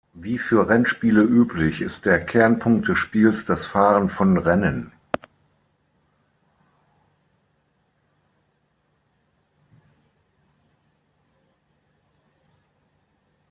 Wie für Rennspiele üblich ist der Kernpunkt des Spiels das Fahren von Rennen.